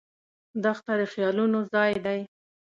دښته د خیالونو ځای دی.